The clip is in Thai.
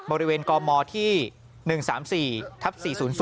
บริเวณกมที่๑๓๔ทับ๔๐๐